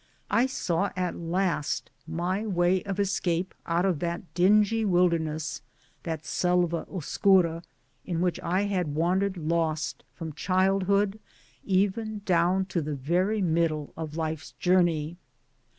I saw at last my way of escape out of that dingy wilderness, that selva oscura, in which I had wandered lost, from child hood even down to the very middle of life's journey.